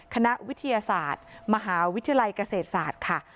คณะวิทยาศาสตร์มหาวิทยาลัยเกษตรศาสตร์ค่ะ